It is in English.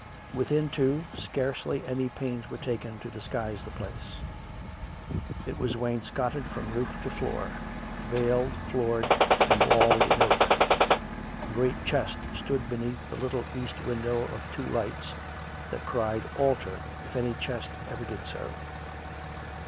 Within, too, scarcely any pains were taken to disguise the place. It was wainscoted from roof to floor — ceiled, floored and walled in oak. A great chest stood beneath the little east window of two lights, that cried " Altar " if any chest ever did so.